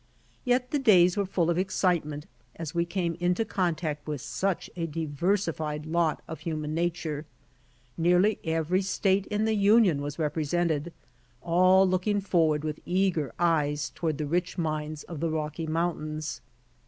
Yet the days were full of excitement, as we came into contact with such a diversified lot of human nature. Nearly every state in the union was represented, all looking forward with eager eyes to^^ard the rich mines of the Rocky moun tains.